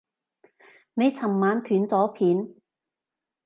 你尋晚斷咗片